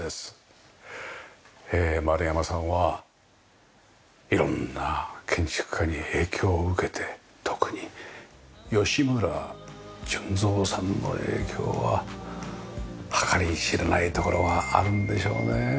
丸山さんは色んな建築家に影響を受けて特に吉村順三さんの影響は計り知れないところがあるんでしょうね。